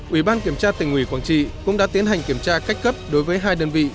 ủy ban kiểm tra tỉnh ủy quảng trị cũng đã tiến hành kiểm tra cách cấp đối với hai đơn vị